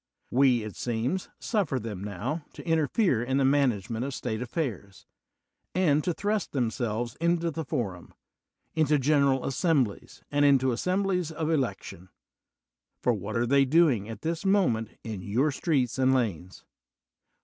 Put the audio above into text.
We, it seems, suffer them, now, to inter fere in the management of State affairs, and to thrust themselves into the forum, into general assemblies, and into assemblies of election: for what are they doing at this moment in your streets and lanes?